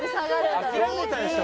諦めたでしょ？